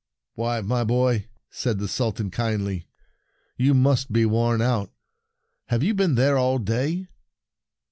"Why, my boy," said the Sultan kindly, " you must be worn out. Have you been there all day?"